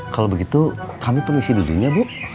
kalau begitu kami permisi dirinya bu